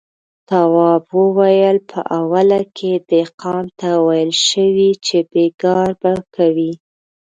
تواب وويل: په اوله کې دهقان ته ويل شوي چې بېګار به کوي.